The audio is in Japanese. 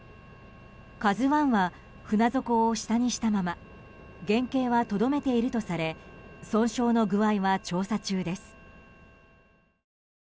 「ＫＡＺＵ１」は船底を下にしたまま原形はとどめているとされ損傷の具合は調査中です。